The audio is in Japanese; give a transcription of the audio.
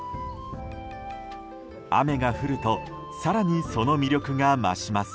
雨が降ると更に、その魅力が増します。